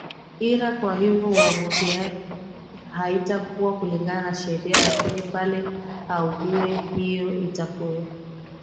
ira kwa hivyo uamuzi yake haitakuwa kulingana na sheria lakini pale hague hiyo itakuwepo